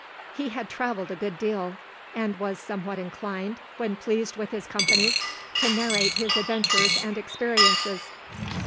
He had travelled a good deal, and was some what inclined, when pleased with his company, to narrate his adventures and experiences.